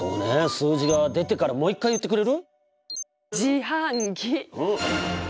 数字が出てからもう一回言ってくれる？